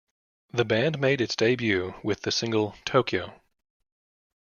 The band made its debut with the single "Tokyo".